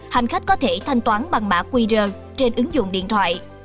hành khách có thể thanh toán bằng mã qr trên ứng dụng điện thoại